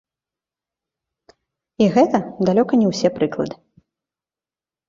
І гэта далёка не ўсе прыклады.